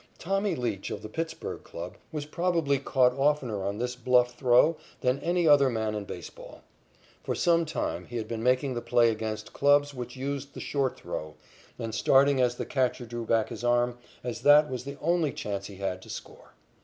"Tommy" Leach of the Pittsburg club was probably caught oftener on this bluff throw than any other man in baseball. For some time he had been making the play against clubs which used the short throw, and starting as the catcher drew back his arm, as that was the only chance he had to score.